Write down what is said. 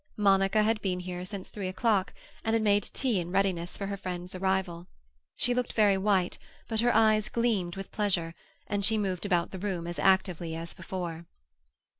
Monica had been here since three o'clock, and had made tea in readiness for her friend's arrival. She looked very white, but her eyes gleamed with pleasure, and she moved about the room as actively as before.